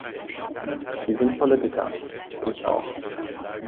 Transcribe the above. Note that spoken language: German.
Sie sind Politiker. Ich auch.